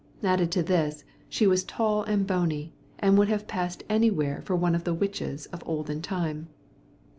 Added to this, she was tall and bony, and would have passed anywhere for one of the witches of olden time.